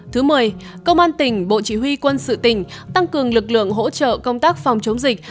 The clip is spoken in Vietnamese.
thứ một mươi công an tỉnh bộ chỉ huy quân sự tỉnh tăng cường lực lượng hỗ trợ công tác phòng chống dịch